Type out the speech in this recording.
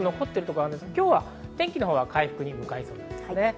今日は天気のほうは回復に向かいそうです。